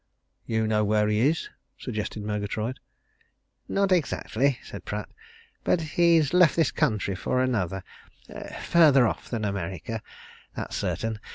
"You know where he is?" suggested Murgatroyd. "Not exactly," said Pratt, "But he's left this country for another further off than America. That's certain!